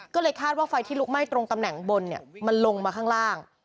ก็เลยคาดว่าไฟที่ลุกไหม้ตรงตำแหน่งบนมันลงมาข้างล่าง